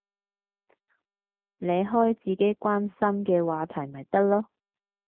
你開自己關心嘅話題咪得囉